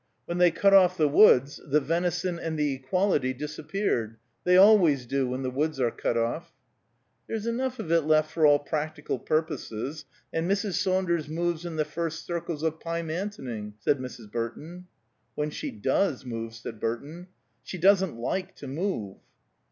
When they cut off the woods the venison and the equality disappeared; they always do when the woods are cut off." "There's enough of it left for all practical purposes, and Mrs. Saunders moves in the first circles of Pymantoning," said Mrs. Burton. "When she does move," said Burton. "She doesn't like to move."